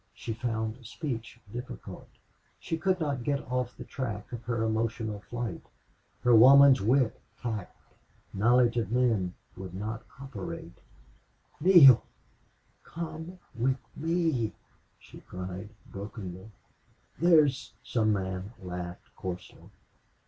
She found speech difficult. She could not get off the track of her emotional flight. Her woman's wit, tact, knowledge of men, would not operate. "Neale!... Come with me!" she cried, brokenly. "There's " Some men laughed coarsely.